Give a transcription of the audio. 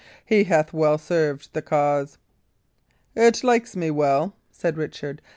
"He hath well served the cause." "It likes me well," said Richard.